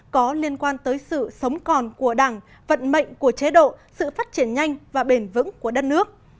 có liên quan tới sự sống còn của đảng vận mệnh của chế độ sự phát triển nhanh và bền vững của đất nước